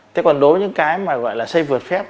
thế còn đối với những cái mà gọi là xây vượt phép